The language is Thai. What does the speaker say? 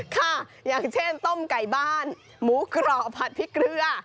ค่ะอย่างเช่นต้มไก่บ้านหมูกรอบผัดพริกเกลือ